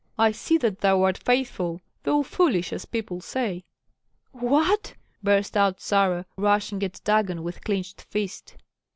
I see that thou art faithful, though foolish, as people say." "What?" burst out Sarah, rushing at Dagon with clinched fist.